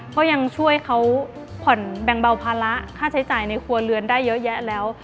ก็ยังช่วยเขาผ่อนแบ่งเบาภาระค่าใช้จ่ายในครัวเรือนได้เยอะแยะแล้ว